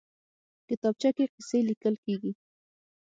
کتابچه کې قصې لیکل کېږي